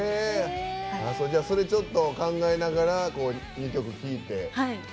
それちょっと考えながら２曲聴いて。